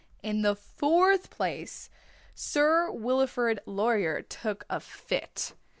In the fourth place, Sir Wilfrid Laurier took a fit.